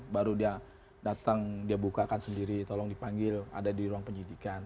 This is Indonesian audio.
baru dia datang dia bukakan sendiri tolong dipanggil ada di ruang penyidikan